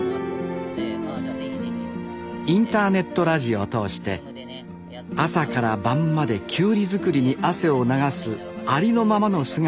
インターネットラジオを通して朝から晩まできゅうり作りに汗を流すありのままの姿を届けています。